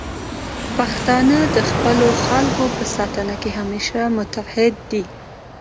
پښتانه د خپلو خلکو په ساتنه کې همیشه متعهد دي.